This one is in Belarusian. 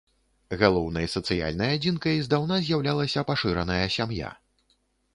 Галоўнай сацыяльнай адзінкай здаўна з'яўлялася пашыраная сям'я.